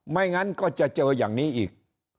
ไม่งั้นก็จะเจออย่างนี้อีก